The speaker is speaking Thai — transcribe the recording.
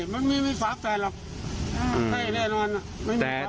มันไม่มีฝาแฝดหรอกใช่แน่นอน